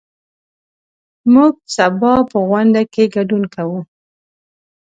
موږ سبا په غونډه کې ګډون کوو.